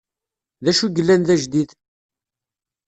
Dacu i yellan d ajdid?